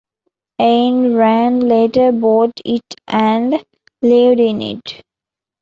Ayn Rand later bought it and lived in it.